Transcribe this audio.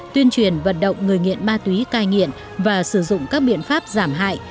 tuyên truyền vận động người nghiện ma túy cai nghiện và sử dụng các biện pháp giảm hại